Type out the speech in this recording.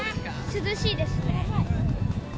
涼しいですね。